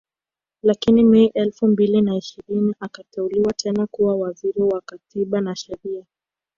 Lakini Mei elfu mbili na ishirini akateuliwa tena kuwa Waziri Wa Katiba na Sheria